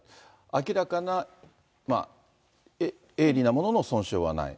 明らかな鋭利なものの損傷はない。